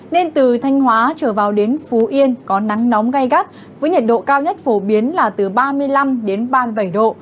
nên từ thanh hóa trở vào đến phú yên có nắng nóng gai gắt với nhiệt độ cao nhất phổ biến là từ ba mươi năm đến ba mươi bảy độ